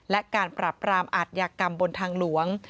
และการปรับปรามอาทยากรรมบนทางหลวง